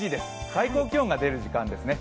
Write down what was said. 最高気温が出る時間ですね。